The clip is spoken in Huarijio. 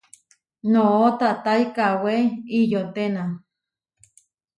Noʼó tatái kawé iyoténa.